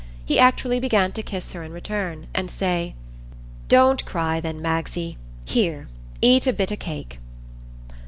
He actually began to kiss her in return, and say,— "Don't cry, then, Magsie; here, eat a bit o' cake."